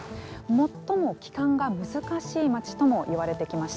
最も帰還が難しい町ともいわれてきました。